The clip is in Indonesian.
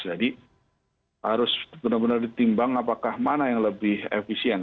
jadi harus benar benar ditimbang apakah mana yang lebih efisien